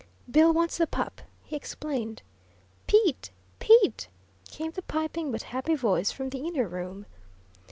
"Bill wants the pup," he explained. "Pete! Pete!" came the piping but happy voice from the inner room.